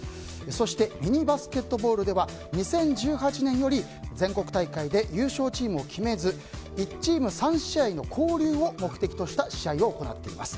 そしてミニバスケットボールでは２０１８年より全国大会で優勝チームを決めず１チーム３試合の交流を目的とした試合を行っています。